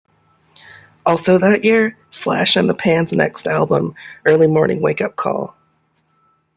Also that year, Flash and the Pan's next album, "Early Morning Wake Up Call".